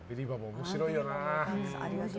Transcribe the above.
面白いよな。